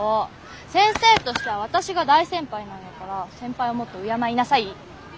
先生としては私が大先輩なんやから先輩をもっと敬いなさい。